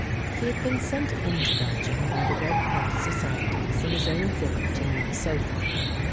He had been sent into Belgium by the Red Cross societies in his own village in Minnesota.